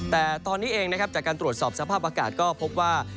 แต่ตอนนี้เองนะครับจากการตรวจสอบสภาพอากาศก็พบว่า